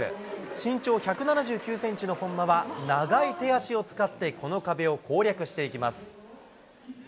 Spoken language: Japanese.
身長１７９センチの本間は、長い手足を使って、この壁を攻略していきます。